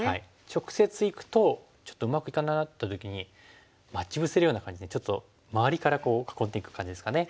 直接いくとちょっとうまくいかないなっていう時に待ち伏せるような感じでちょっと周りから囲っていく感じですかね。